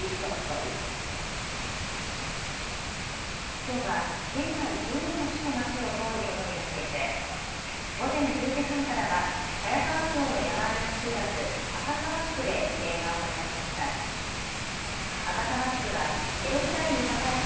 きょうは県内１２の市と町を通ることになっていて午前１０時半からは早川町の山あいの集落、赤沢宿でリレーが行われました。